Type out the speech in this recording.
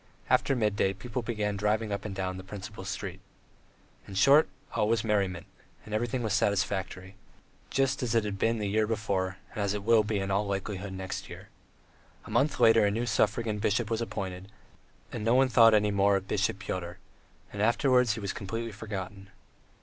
After midday people began driving up and down the principal street. In short, all was merriment, everything was satisfactory, just as it had been the year before, and as it will be in all likelihood next year. A month later a new suffragan bishop was appointed, and no one thought anything more of Bishop Pyotr, and afterwards he was completely forgotten.